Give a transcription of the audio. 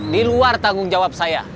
diluar tanggung jawab saya